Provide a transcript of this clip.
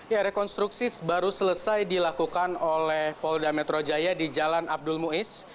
ya rekonstruksi baru selesai dilakukan oleh polda metro jaya di jalan abdul muiz